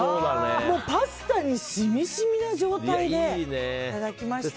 パスタに染み染みな状態でいただきましたね。